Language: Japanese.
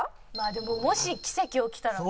でももし奇跡起きたら。